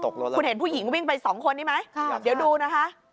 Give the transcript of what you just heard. คุณเห็นผู้หญิงวิ่งไปสองคนนี้ไหมเดี๋ยวดูนะคะ